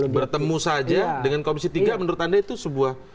bertemu saja dengan komisi tiga menurut anda itu sebuah